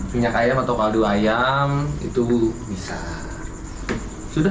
minyak ayam atau kaldu ayam itu bisa